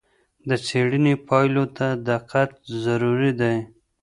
د څېړنې پایلو ته دقت ضروری دی.